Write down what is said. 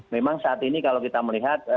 memang saat ini kalau kita melihat